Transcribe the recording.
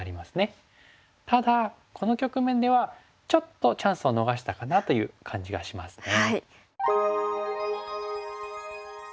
ただこの局面ではちょっとチャンスを逃したかなという感じがしますね。